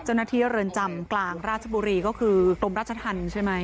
เจ้าหน้าที่เรือนจำกลางราชบุรีก็คือกรมราชธรรมใช่ไหม